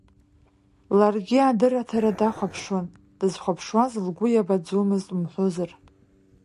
Ларгьы адырраҭара дахәаԥшуан, дызхәаԥшуаз лгәы иабаӡомызт умҳәозар.